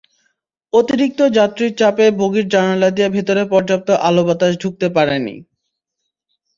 অতিরিক্ত যাত্রীর চাপে বগির জানালা দিয়ে ভেতরে পর্যাপ্ত আলো-বাতাস ঢুকতে পারেনি।